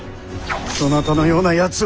そなたのようなやつを！